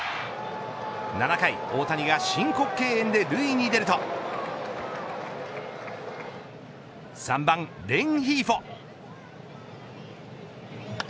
７回大谷が申告敬遠で塁に出ると３番レンヒーフォ。